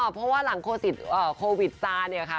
เพราะว่าหลังโควิดซาเนี่ยค่ะ